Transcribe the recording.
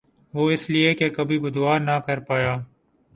وُہ اس لئے کہ کبھی بد دُعا نہ کر پایا